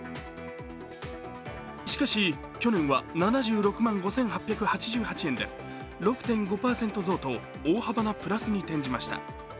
しかし、去年は７６万５８８８円で、６．５％増と大幅なプラスに転じました。